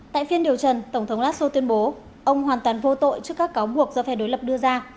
tại phiên điều trần tổng thống laso tuyên bố ông hoàn toàn vô tội trước các cáo buộc do phe đối lập đưa ra